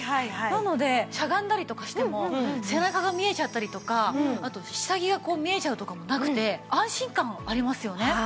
なのでしゃがんだりとかしても背中が見えちゃったりとかあと下着がこう見えちゃうとかもなくて安心感ありますよね。